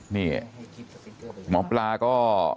นี่หมอปลาก็